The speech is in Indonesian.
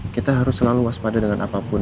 kita harus selalu waspada dengan apapun